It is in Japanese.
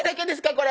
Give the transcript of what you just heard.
これ。